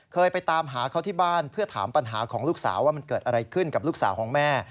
ไปตามหาเขาที่บ้านเพื่อถามปัญหาของลูกสาวว่ามันเกิดอะไรขึ้นกับลูกสาวของแม่